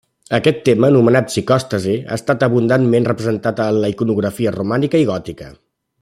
Aquest tema, anomenat psicòstasi, ha estat abundantment representat en la iconografia romànica i gòtica.